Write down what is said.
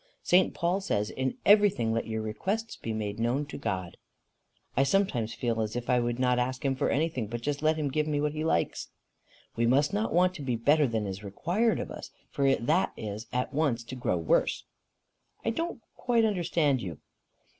St. Paul says, 'In everything let your requests be made known unto God.'" "I sometimes feel as if I would not ask him for anything, but just let him give me what he likes." "We must not want to be better than is required of us, for that is at once to grow worse." "I don't quite understand you."